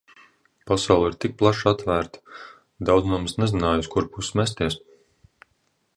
Pasaule ir tik plaši atvērta, daudzi no mums nezināja, uz kuru pusi mesties.